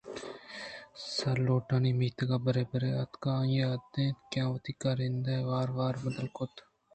سارٹونی میتگ ءَ برے برے اتک ءُآئی ءِعادت اَت کہ وتی کارندہے وار وار ءَ بدل کُت اَنت